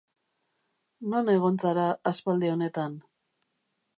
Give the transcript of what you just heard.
Non egon zara aspaldi honetan?